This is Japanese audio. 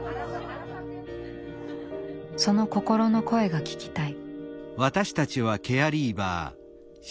その心の声が聞きたい。